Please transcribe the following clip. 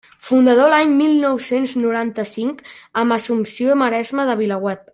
Fundador l'any mil nou-cents noranta-cinc, amb Assumpció Maresma, de VilaWeb.